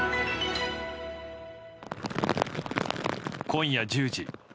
今夜１０時。